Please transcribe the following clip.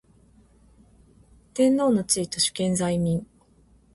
天皇の地位と主権在民